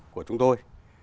của chúng tôi